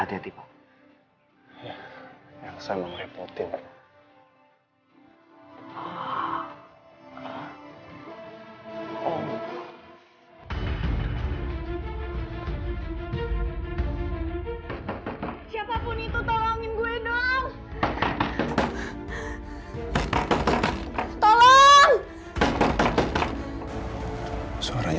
intenta hidup virtually jerotime otooo candung semua teman katanya